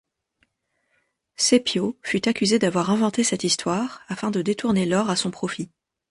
Cæpio fut accusé d'avoir inventé cette histoire afin de détourner l'or à son profit.